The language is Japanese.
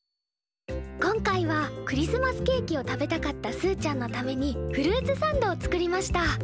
今回はクリスマスケーキを食べたかったすーちゃんのためにフルーツサンドを作りました。